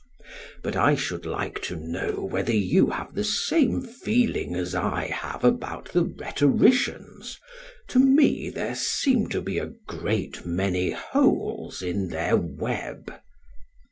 But I should like to know whether you have the same feeling as I have about the rhetoricians? To me there seem to be a great many holes in their web.